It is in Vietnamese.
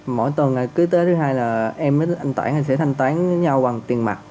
mỗi tuần cứ tới thứ hai là em với anh toản sẽ thanh toán nhau bằng tiền mặt